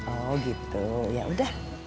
oh gitu yaudah